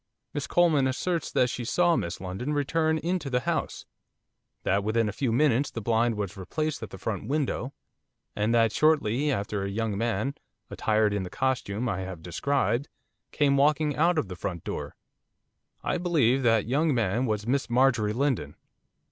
Miss Coleman asserts that she saw Miss Lindon return into the house; that within a few minutes the blind was replaced at the front window; and that shortly after a young man, attired in the costume I have described, came walking out of the front door. I believe that young man was Miss Marjorie Lindon.